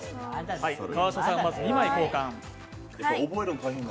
川島さん、まず２枚交換。